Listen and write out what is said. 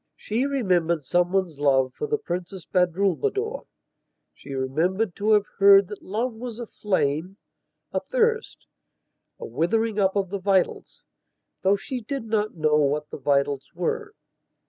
She remembered someone's love for the Princess Badrulbadour; she remembered to have heard that love was a flame, a thirst, a withering up of the vitalsthough she did not know what the vitals were.